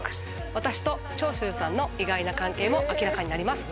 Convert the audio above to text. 私と長州さんの意外な関係も明らかになります。